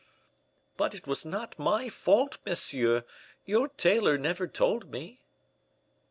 "But it was not my fault, monsieur! your tailor never told me."